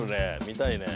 見たいね。